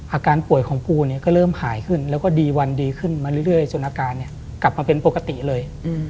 อาการป่วยของปูเนี่ยก็เริ่มหายขึ้นแล้วก็ดีวันดีขึ้นมาเรื่อยจนอาการกลับมาเป็นปกติเลย